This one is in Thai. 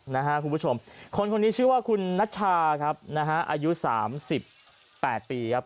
นะฮะคุณผู้ชมคนคนนี้ชื่อว่าคุณนัชชาครับนะฮะอายุสามสิบแปดปีครับ